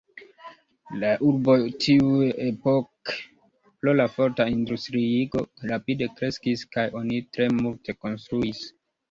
La urboj tiuepoke pro la forta industriigo rapide kreskis kaj oni tre multe konstruis.